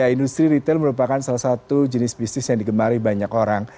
industri retail merupakan salah satu jenis bisnis yang digemari banyak orang